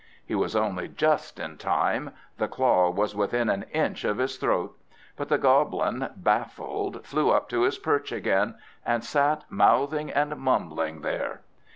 He was only just in time; the claw was within an inch of his throat; but the Goblin, baffled, flew up to his perch again, and sat mouthing and mumbling there.